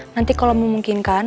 nanti kalau memungkinkan